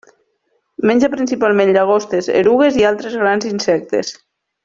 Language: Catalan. Menja principalment llagostes, erugues i altres grans insectes.